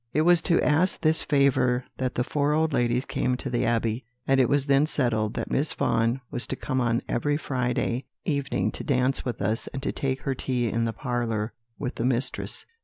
"It was to ask this favour that the four old ladies came to the Abbey; and it was then settled that Miss Vaughan was to come on every Friday evening to dance with us, and to take her tea in the parlour with the mistress.